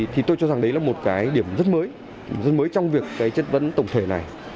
thì tôi cho rằng đấy là một cái điểm rất mới rất mới trong việc cái chất vấn tổng thể này